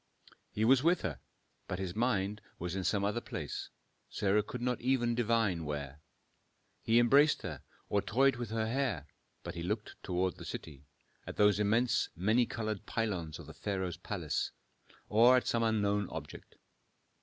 He was with her, but his mind was in some other place, Sarah could not even divine where. He embraced her, or toyed with her hair, but he looked toward the city, at those immense many colored pylons of the pharaoh's palace, or at some unknown object.